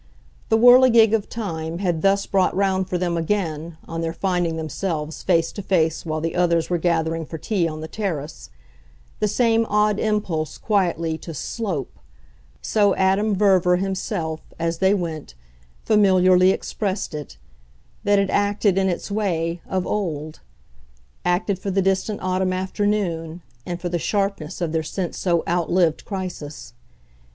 The whirligig of time had thus brought round for them again, on their finding themselves face to face while the others were gathering for tea on the terrace, the same odd impulse quietly to "slope" so Adam Verver himself, as they went, familiarly expressed it that had acted, in its way, of old; acted for the distant autumn afternoon and for the sharpness of their since so outlived crisis.